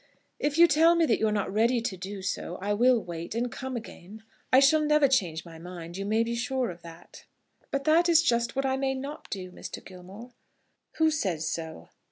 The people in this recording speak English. "If you tell me that you are not ready to do so I will wait, and come again. I shall never change my mind. You may be sure of that." "But that is just what I may not do, Mr. Gilmore." "Who says so?"